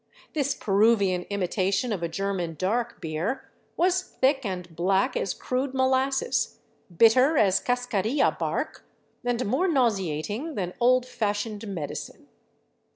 This Peruvian imitation of a German '' dark " beer was thick and black as crude molasses, bit ter as cascarilla bark, and more nauseating than old fashioned medi cine.